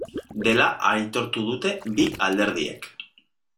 Dela aitortu dute bi alderdiek.